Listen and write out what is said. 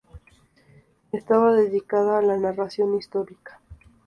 Estaba dedicada a la narración histórica.